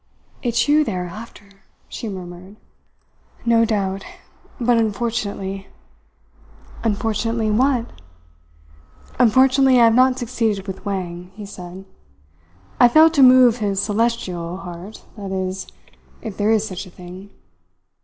"It's you they are after," she murmured. "No doubt, but unfortunately " "Unfortunately what?" "Unfortunately, I have not succeeded with Wang," he said. "I failed to move his Celestial, heart that is, if there is such a thing.